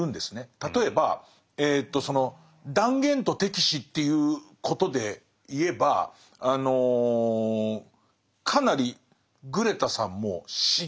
例えばえとその断言と敵視っていうことで言えばかなりグレタさんも刺激的なことを言うんですよ。